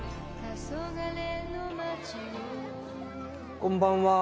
こんばんは。